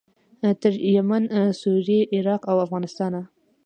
تر یمن، سوریې، عراق او افغانستانه.